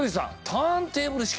ターンテーブル式？